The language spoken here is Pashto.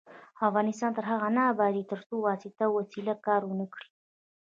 افغانستان تر هغو نه ابادیږي، ترڅو واسطه او وسیله کار ونه کړي.